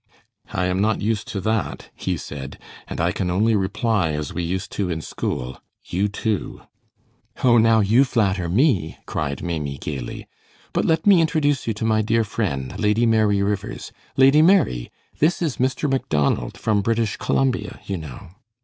"I am not used to that," he said, "and I can only reply as we used to in school, 'You, too.'" "Oh, now you flatter me," cried Maimie, gayly; "but let me introduce you to my dear friend, Lady Mary Rivers. Lady Mary, this is Mr. Macdonald from British Columbia, you know."